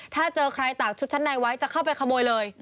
ถ้าเจอใครตากชุดชั้นในไว้จะเข้าไปขโมยเลย